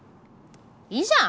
いいじゃん！